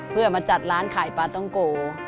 เพื่อมาจัดร้านขายปลาต้องโก